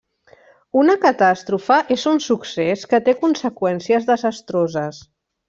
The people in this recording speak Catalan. Una catàstrofe és un succés que té conseqüències desastroses.